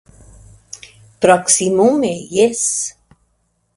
Proksimume, jes.